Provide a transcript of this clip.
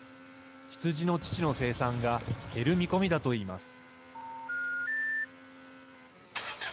羊の乳の生産が減る見込みだといいます。